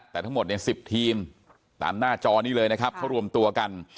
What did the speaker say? แต่ทั้งหมดเนี่ย๑๐ทีมตามหน้าจอนี้เลยนะครับเขารวมตัวกัน